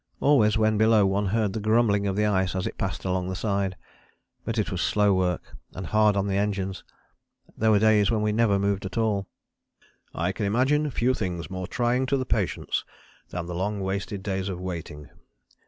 Always when below one heard the grumbling of the ice as it passed along the side. But it was slow work, and hard on the engines. There were days when we never moved at all. "I can imagine few things more trying to the patience than the long wasted days of waiting.